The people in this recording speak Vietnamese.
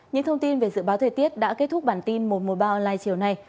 những thông tin về dự báo thời tiết đã kết thúc bản tin một trăm một mươi ba online chiều nay